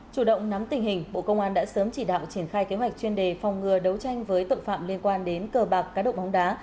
chủ động nắm tình hình bộ công an đã sớm chỉ đạo triển khai kế hoạch chuyên đề phòng ngừa đấu tranh với tội phạm liên quan đến cờ bạc cá độ bóng đá